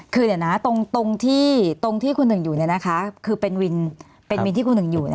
คือเดี๋ยวนะตรงที่คุณหนึ่งอยู่คือเป็นวินที่คุณหนึ่งอยู่